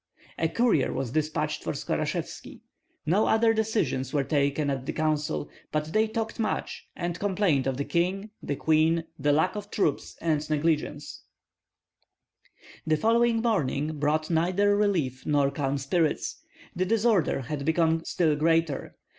A courier was despatched for Skorashevski. No other decisions were taken at the council; but they talked much, and complained of the king, the queen, the lack of troops, and negligence. The following morning brought neither relief nor calm spirits. The disorder had become still greater.